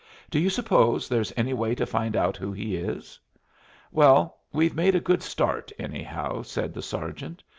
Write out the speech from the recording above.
Do you suppose there's any way to find out who he is?" "Well, we've made a good start, anyhow," said the sergeant.